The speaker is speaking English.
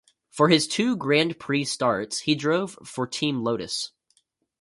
For his two Grand Prix starts, he drove for Team Lotus.